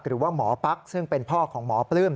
หรือว่าหมอปั๊กซึ่งเป็นพ่อของหมอปลื้ม